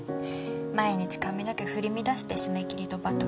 毎日髪の毛振り乱して締め切りとバトルしてる。